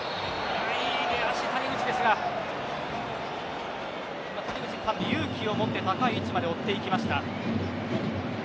残り時間で勇気を持って高い位置まで追っていきました。